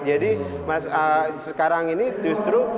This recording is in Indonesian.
jadi sekarang ini justru